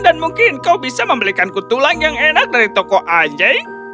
dan mungkin kau bisa membelikanku tulang yang enak dari toko anjing